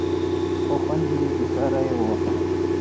خو خوند یې بېساری و.